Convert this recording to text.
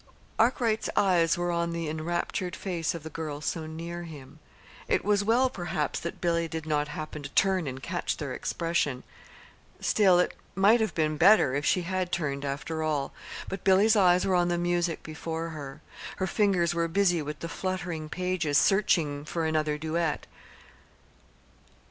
Arkwright's eyes were on the enraptured face of the girl so near him. It was well, perhaps, that Billy did not happen to turn and catch their expression. Still, it might have been better if she had turned, after all. But Billy's eyes were on the music before her. Her fingers were busy with the fluttering pages, searching for another duet.